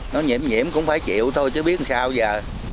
nó nhiễm nhiễm cũng phải chịu thôi chứ biết sao giờ